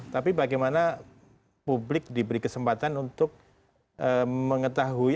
tapi bagaimana publik diberi kesempatan untuk mengetahui